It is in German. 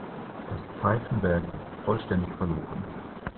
Das Pfeifenwerk ist vollständig verloren.